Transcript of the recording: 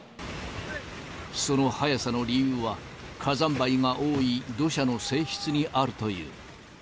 その速さの理由は、火山灰が多い土砂の性質にあるという。